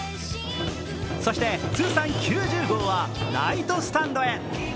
そして通算９０号はライトスタンドへ。